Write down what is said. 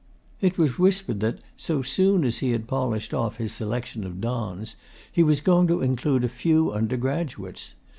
It was whispered that, so soon as he had polished off his selection of dons, he was going to include a few undergraduates.